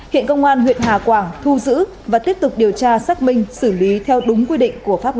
hiện công an huyện hà quảng thu giữ và tiếp tục điều tra xác minh xử lý theo đúng quy định của pháp luật